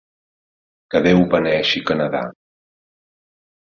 Que Déu beneeixi Canadà.